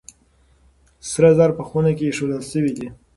سره زر په خونه کې ايښودل شوي دي.